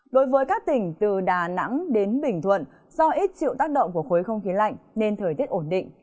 đối với các tỉnh từ đà nẵng đến bình thuận do ít chịu tác động của khối không khí lạnh nên thời tiết ổn định